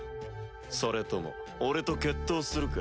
それとも俺と決闘するか？